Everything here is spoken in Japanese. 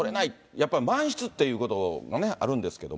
やっぱり満室ということがあるんですけども。